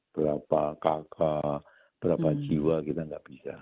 berapa kakak berapa jiwa kita tidak bisa